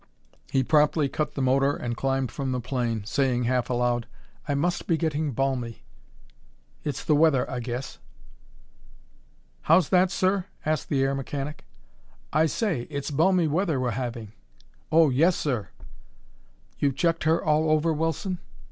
He promptly cut the motor and climbed from the plane, saying, half aloud; "I must be getting balmy. It's the weather, I guess." "How's that, sir?" asked the air mechanic. "I say, it's balmy weather we're having." "Oh! Yes, sir." "You've checked her all over, Wilson?"